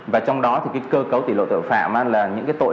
và trong đó thì cái cơ cấu tỷ lộ tội phạm là những cái tình hình